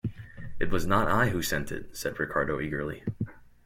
"It was not I who sent it," said Ricardo eagerly.